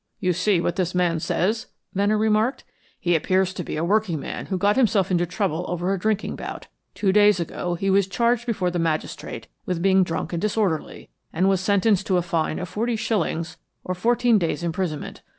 "You see what this man says?" Venner remarked. "He appears to be a workingman who got himself into trouble over a drinking bout. Two days ago he was charged before the magistrate with being drunk and disorderly, and was sentenced to a fine of forty shillings or fourteen days' imprisonment.